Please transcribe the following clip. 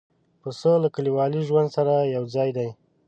پسه له کلیوالي ژوند سره یو ځای دی.